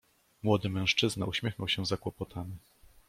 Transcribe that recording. "Młody mężczyzna, uśmiechnął się zakłopotany."